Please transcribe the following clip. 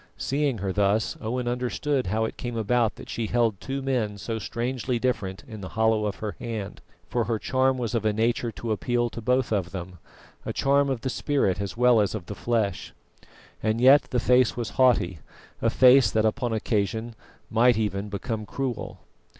Seeing her thus, Owen understood how it came about that she held two men so strangely different in the hollow of her hand, for her charm was of a nature to appeal to both of them a charm of the spirit as well as of the flesh. And yet the face was haughty, a face that upon occasion might even become cruel.